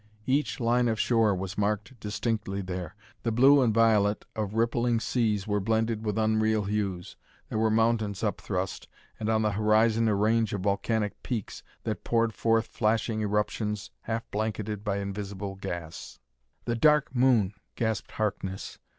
Each line of shore was marked distinctly there; the blue and violet of rippling seas were blended with unreal hues; there were mountains upthrust and, on the horizon, a range of volcanic peaks that poured forth flashing eruptions half blanketed by invisible gas. "The Dark Moon!" gasped Harkness.